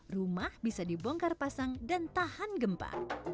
rumah bisa dibongkar pasang dan tahan gempa